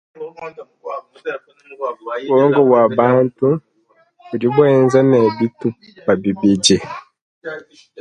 Buongo bua muntu budi buenza ne bitupa bibidi.